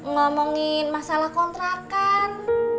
ngomongin masalah kontrakan